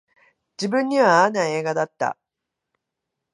自分には合わない映画だった